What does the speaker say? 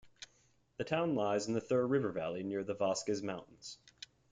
The town lies in the Thur River Valley near the Vosges mountains.